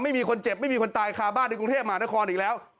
ไม่มีคนเจ็บไม่มีคนตายคาบ้านในกรุงเทพมหานครอีกแล้ว